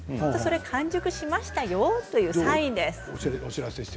完熟しましたよというサインです。